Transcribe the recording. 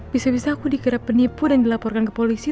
bisa bisa aku digarap penipu dan dilaporkan ke polisi